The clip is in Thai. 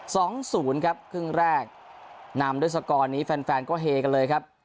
สองศูนย์ครับครึ่งแรกนำด้วยสกอร์นี้แฟนแฟนก็เฮกันเลยครับ